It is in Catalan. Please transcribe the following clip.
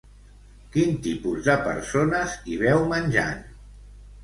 Quin tipus de persones hi veu menjant?